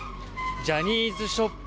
ジャニーズショップ